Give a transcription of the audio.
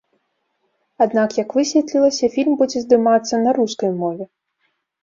Аднак, як высветлілася, фільм будзе здымацца на рускай мове.